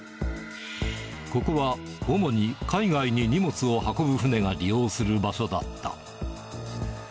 ここは主に海外に荷物を運ぶ船が利用する場所だった。